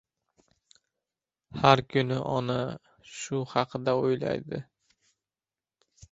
Har kuni ona shu haqida oʻylaydi.